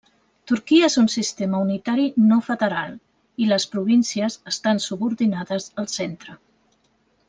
Turquia és un sistema unitari no federal, i les províncies estan subordinades al centre.